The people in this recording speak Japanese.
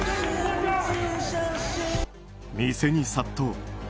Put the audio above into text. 店に殺到。